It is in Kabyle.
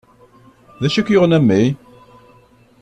D acu i k-yuɣen a mmi?